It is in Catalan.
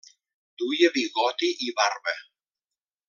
Duia bigoti i barba.